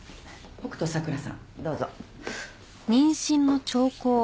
北斗桜さんどうぞ。